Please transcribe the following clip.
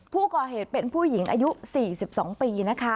ผู้ก่อเหตุเป็นผู้หญิงอายุ๔๒ปีนะคะ